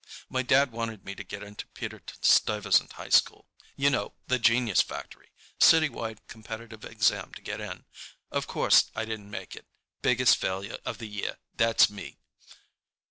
"My dad wanted me to get into Peter Stuyvesant High School—you know, the genius factory, city wide competitive exam to get in. Of course I didn't make it. Biggest Failure of the Year, that's me."